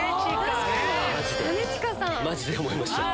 マジで思いました。